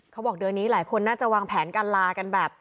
เขาบอกเดือนนี้หลายคนน่าจะวางแผนการลากันแบบ